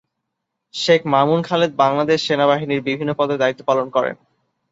শেখ মামুন খালেদ বাংলাদেশ সেনাবাহিনীর বিভিন্ন পদে দায়িত্ব পালন করেন।